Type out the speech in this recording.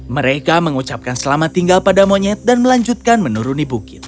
mereka mengucapkan selamat tinggal pada monyet dan melanjutkan menuruni bukit